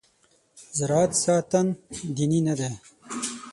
زراعت ذاتاً دیني نه دی.